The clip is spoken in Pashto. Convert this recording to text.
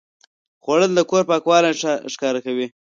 خوړل د کور پاکوالی ښکاره کوي